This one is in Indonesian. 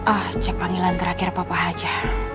ah cek panggilan terakhir papa aja